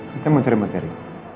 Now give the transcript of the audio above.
kita mau cari materi